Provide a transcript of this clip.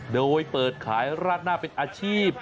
โดยเปิดขายราดหน้าเป็นอาชีพ